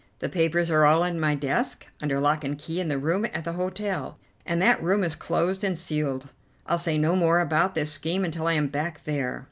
The papers are all in my desk under lock and key in the room at the hotel, and that room is closed and sealed. I'll say no more about this scheme until I am back there."